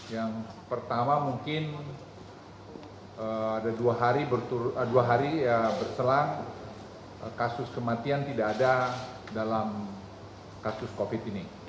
yang pertama mungkin ada dua hari berselang kasus kematian tidak ada dalam kasus covid ini